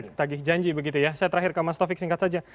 saya tagih janji begitu ya saya terakhir ke mas taufik singkat saja